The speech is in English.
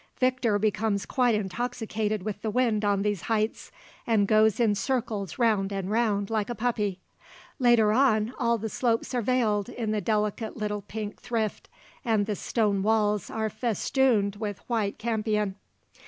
Victor becomes quite intoxicated with the wind on these heights and goes in circles round and round, like a puppy. Later on, all the slopes are veiled in the delicate little pink thrift, and the stone walls are festooned with white campion.